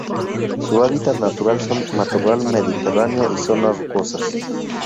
Su hábitat natural son: Matorral mediterráneo y zonas rocosas.